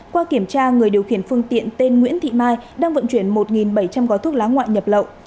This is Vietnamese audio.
qua kiểm tra người điều khiển phương tiện tên nguyễn thị mai đang vận chuyển một bảy trăm linh gói thuốc lá ngoại nhập lậu